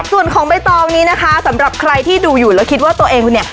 ส่วนของใบตองนี้นะคะสำหรับใครที่ดูอยู่แล้วคิดว่าตัวเองคุณเนี่ย